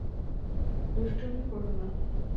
দুষ্টুমি করো না।